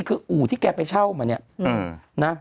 คืออู่ที่แกไปเช่ามาเนี่ยนะ